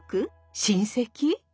親戚？